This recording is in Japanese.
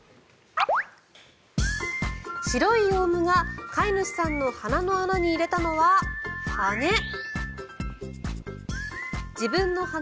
白いオウムが飼い主さんの鼻の穴に入れたのは羽根。